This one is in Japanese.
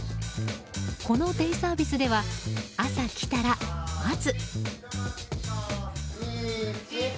このデイサービスでは朝来たら、まず。